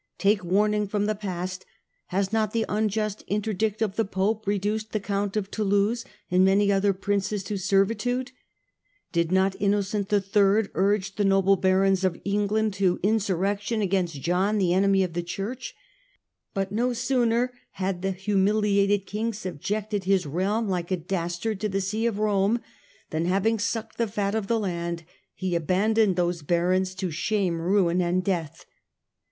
" Take warning from the past. Has not the unjust interdict of the Pope reduced the Count of Toulouse and many other princes to servitude ? Did not Innocent III urge the noble Barons of England to insurrection against John, the enemy of the Church ? But no sooner had the humiliated King subjected his realm, like a dastard, to the See of Rome, than, having sucked the fat of the land, he abandoned those Barons to shame, ruin and death.